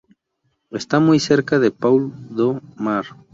Está muy Cerca de Paul do Mar.